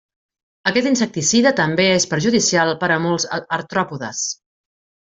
Aquest insecticida també és perjudicial per a molts artròpodes.